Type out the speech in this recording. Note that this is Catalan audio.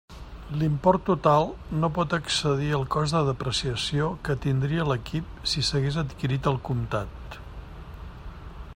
L'import total no pot excedir el cost de depreciació que tindria l'equip si s'hagués adquirit al comptat.